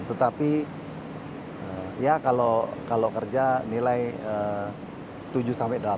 tetapi ya kalau kerja nilai tujuh sampai delapan